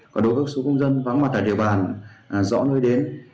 còn đối với số công dân vắng mặt tại địa bàn rõ nơi đến